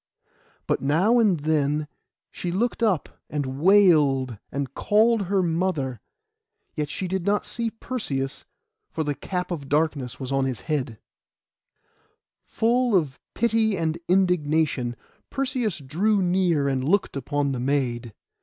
But now and then she looked up and wailed, and called her mother; yet she did not see Perseus, for the cap of darkness was on his head. [Picture: Perseus and the maid] Full of pity and indignation, Perseus drew near and looked upon the maid.